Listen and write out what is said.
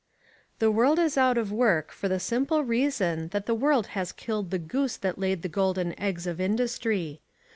The world is out of work for the simple reason that the world has killed the goose that laid the golden eggs of industry.